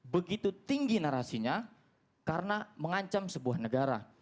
begitu tinggi narasinya karena mengancam sebuah negara